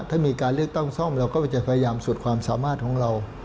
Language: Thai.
ถ้ามีการเลือกตั้งซ่อมเราก็จะพยายามสุดความสามารถของเรา